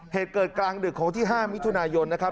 เหตุเกิดกลางดึกของวันที่๕มิถุนายนนะครับ